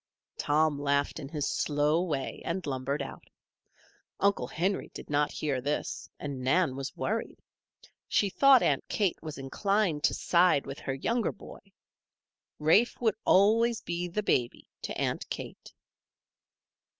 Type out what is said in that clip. Tom laughed in his slow way and lumbered out. Uncle Henry did not hear this, and Nan was worried. She thought Aunt Kate was inclined to side with her youngest boy. Rafe would always be "the baby" to Aunt Kate.